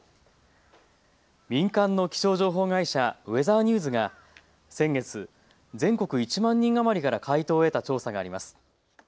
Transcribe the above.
民間の気象情報会社、ウェザーニューズが先月、全国１万人余りから回答を得た調査があります。